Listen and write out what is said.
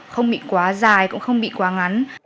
không bị quá dài cũng không bị quá ngắn